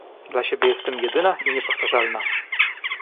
Dla siebie jestem jedyna i niepowtarzalna.